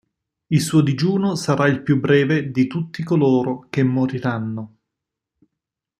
Il suo digiuno sarà il più breve di tutti coloro che moriranno.